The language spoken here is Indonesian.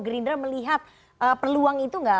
gerindra melihat peluang itu nggak